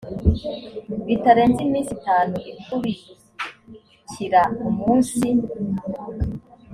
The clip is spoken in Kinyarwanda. bitarenze iminsi itanu ikurikira umunsi